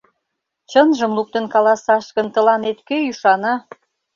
Чынжым луктын каласаш гын, тыланет кӧ ӱшана?